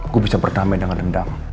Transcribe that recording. gua bisa berdamai dengan dendam